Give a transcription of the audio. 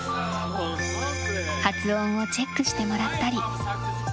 発音をチェックしてもらったり。